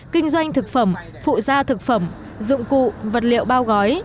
kinh doanh thực phẩm phụ gia thực phẩm dụng cụ vật liệu bao gói